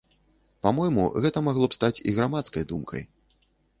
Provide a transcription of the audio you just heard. Па-мойму, гэта магло б стаць і грамадскай думкай.